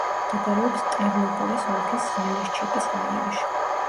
მდებარეობს ტერნოპოლის ოლქის ზალეშჩიკის რაიონში.